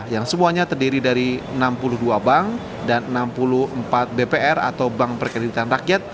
yang semuanya terdiri dari enam puluh dua bank dan enam puluh empat bpr atau bank perkreditan rakyat